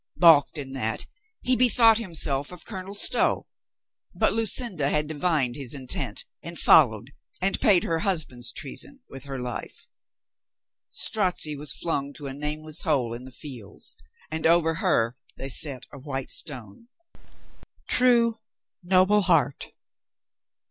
Balked in that, he bethought him of Colonel Stow, but Lucinda had divined his intent anl fol lowed and paid her husband's treason with her life. Strozzi was flung to a nameless hole in the fields, and over her they set a white stone. True, noble heart